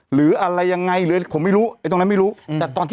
หรืออะไรยังไงหรือผมไม่รู้ไอ้ตรงนั้นไม่รู้แต่ตอนที่